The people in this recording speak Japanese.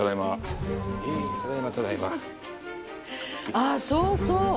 あっそうそう！